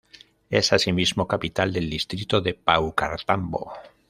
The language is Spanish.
Es asimismo capital del distrito de Paucartambo.